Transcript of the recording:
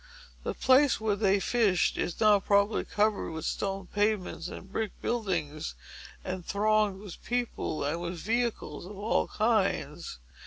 The place where they fished is now, probably, covered with stone pavements and brick buildings, and thronged with people, and with vehicles of all kinds.